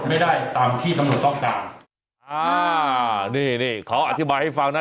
อ่านี่ขออธิบายให้ฟังนะ